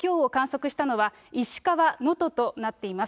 震度６強を観測したのは石川能登となっています。